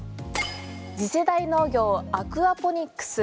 次世代農業アクアフォニックス